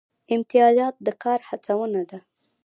امتیازات د کار هڅونه ده